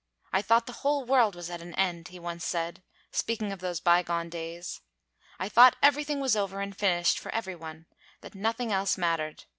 I thought the whole world was at an end,' he once said, speaking of those bygone days. 'I thought everything was over and finished for every one that nothing else mattered.